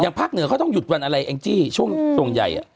อย่างภาคเหนือเค้าต้องหยุดวันอะไรอิงจี้ช่วงโดดตรงใหญ่